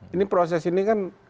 ini proses ini kan